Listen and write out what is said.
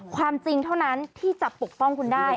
ความจริงเท่านั้นที่จะปกป้องคุณได้